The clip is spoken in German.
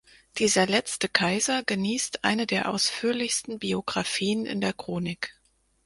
Dieser letzte Kaiser genießt eine der ausführlichsten Biographien in der Chronik.